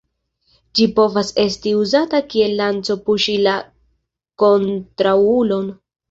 Ĝi povas esti uzata kiel lanco puŝi la kontraŭulon.